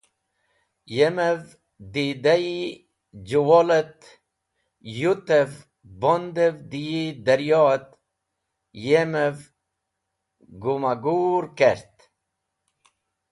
Yemev di dẽ yi jũwol et yutev bondev dẽ yi daryo et yemev gumagur kert.